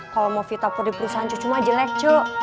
coba mau fitapor di perusahaan cucu mah jelek cuk